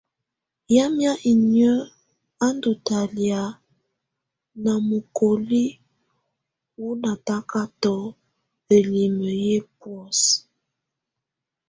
Yamɛ̀á inyǝ́ á ndù talɛ̀á na mukoliǝ wù natakatɔ ǝlimǝ yɛ bɔ̀ósɛ.